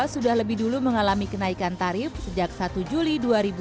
sudah lebih dulu mengalami kenaikan tarif sejak satu juli dua ribu dua puluh